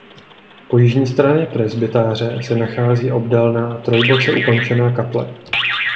Po jižní straně presbytáře se nachází obdélná trojboce ukončená kaple.